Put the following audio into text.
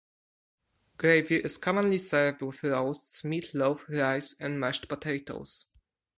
Gravy is commonly served with roasts, meatloaf, rice, and mashed potatoes.